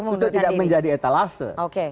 untuk tidak menjadi etalase